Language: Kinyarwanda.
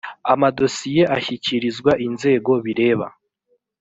amadosiye ashyikirizwa inzego bireba